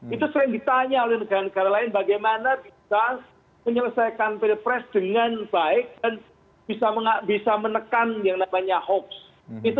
itu sering ditanya oleh negara negara lain bagaimana bisa menyelesaikan pilpres dengan baik dan bisa menekan yang namanya hoax